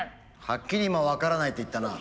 はっきり今「分からない」と言ったな。